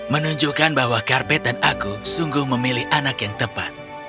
menunjukkan bahwa karpet dan aku sungguh memilih anak yang tepat